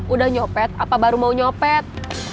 udah nyopet apa baru mau nyopet